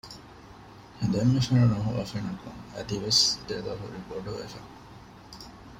ދެންމެ ފެނުން ހުވަފެނަކުން އަދިވެސް ދެލޯ ހުރީ ބޮޑުވެފަ